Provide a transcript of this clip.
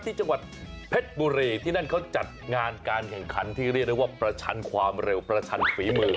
ที่จังหวัดเพชรบุรีที่นั่นเขาจัดงานการแข่งขันที่เรียกได้ว่าประชันความเร็วประชันฝีมือ